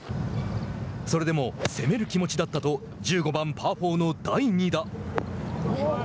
それでも、攻める気持ちだったと１５番パー４の第２打。